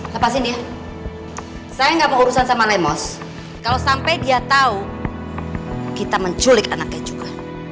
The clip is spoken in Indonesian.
lepasin dia saya nggak mau urusan sama lemos kalau sampai dia tahu kita menculik anaknya juga